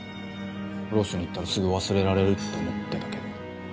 ロスに行ったらすぐ忘れられるって思ってたけど。